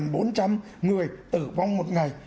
người tử vong một ngày